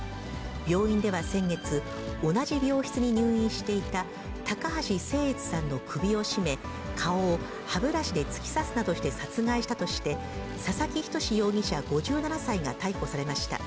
病院では先月、同じ病室に入院していた高橋生悦さんの首を絞め、顔を歯ブラシで突き刺すなどして殺害したとして、佐々木人志容疑者５７歳が逮捕されました。